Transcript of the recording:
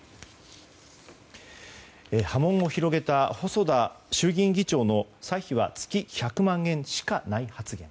波紋を広げた細田衆議院議長の歳費は月１００万円しかない発言。